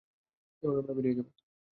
এভাবেই আমরা বেরিয়ে যাবো।